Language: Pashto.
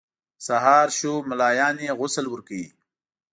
سهار شو ملایان یې غسل ورکوي.